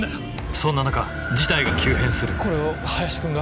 そんな中事態が急変するこれを林君が？